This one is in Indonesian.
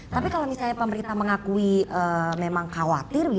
tapi kalau misalnya pemerintah mengakui memang khawatir